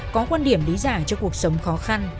có quan điểm lý giải cho cuộc sống khó khăn